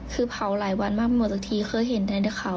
คือเผาหลายวันมากไม่หมดสักทีเคยเห็นแต่ข่าว